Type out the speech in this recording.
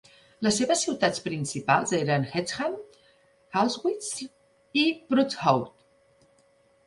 Les seves ciutats principals eren Hexham, Haltwhistle i Prudhoe.